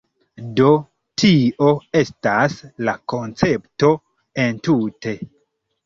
Do, tio estas la koncepto entute